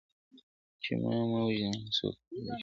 چي ما مه وژنۍ ما څوک نه دي وژلي ..